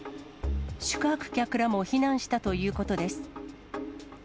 宿泊客らも避難したということです。